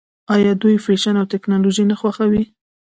آیا دوی فیشن او ټیکنالوژي نه خوښوي؟